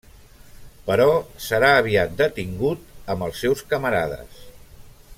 Però serà aviat detingut amb els seus camarades.